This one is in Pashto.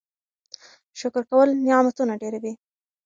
شکر کول نعمتونه ډېروي.